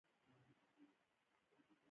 د هلمند په ناوې کې د رخام نښې شته.